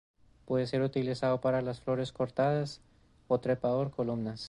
Puede ser utilizado para las flores cortadas, o trepador columnas.